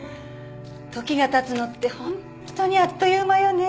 時がたつのってホントにあっという間よね。